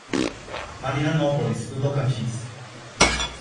Marianópolis do Tocantins